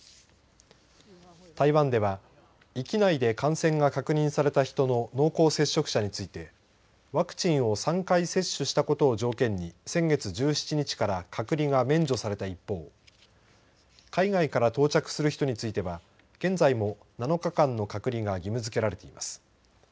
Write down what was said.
台湾では域内で感染が確認された人の濃厚接触者についてワクチンを３回接取したことを条件に先月１７日から隔離が免除された一方海外から到着する人については現在も７日間の隔離が義務づけられています。